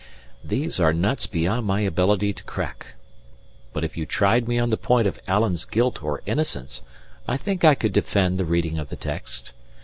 These are nuts beyond my ability to crack. But if you tried me on the point of Alan's guilt or innocence, I think I could defend the reading of the text.